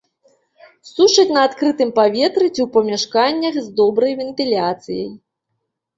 Сушаць на адкрытым паветры ці ў памяшканнях з добрай вентыляцыяй.